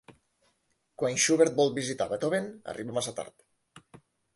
Quan Schubert vol visitar Beethoven, arriba massa tard: